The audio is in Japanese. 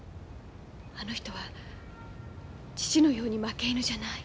あの人は父のように負け犬じゃない。